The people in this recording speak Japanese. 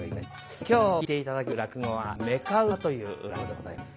今日聴いて頂く落語は「妾馬」という落語でございます。